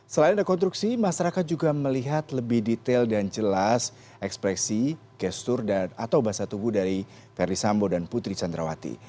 selain rekonstruksi masyarakat juga melihat lebih detail dan jelas ekspresi gestur atau bahasa tubuh dari verdi sambo dan putri candrawati